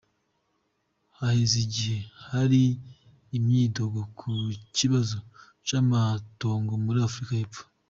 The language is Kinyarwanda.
Hahezi igihe hari imyidogo ku kibazo c'amatongo muri Afrika y'epfo.